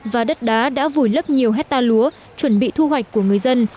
và đất đá đã vùi lấp nhiều hectare lúa chuẩn bị thu hoạch của người dân